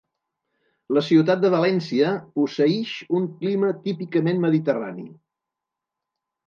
La Ciutat de València posseïx un clima típicament mediterrani.